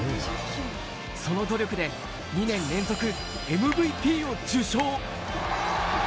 その努力で、２年連続ＭＶＰを受賞。